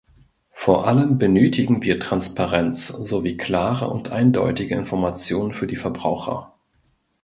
Vor allem benötigen wir Transparenz sowie klare und eindeutige Informationen für die Verbraucher.